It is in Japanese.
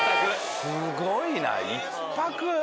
すごいな一泊？